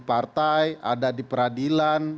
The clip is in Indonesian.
partai ada di peradilan